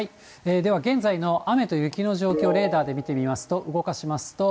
では現在の雨と雪の状況、レーダーで見てみますと、動かしますと。